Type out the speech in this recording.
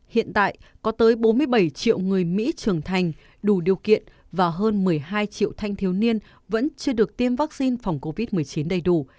hiện tại có tới bốn mươi bảy triệu người mỹ trưởng thành đủ điều kiện và hơn một mươi hai triệu thanh thiếu niên vẫn chưa được tiêm vaccine phòng covid một mươi chín đầy đủ